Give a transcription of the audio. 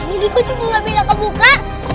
ini kok cukup gak bisa kebuka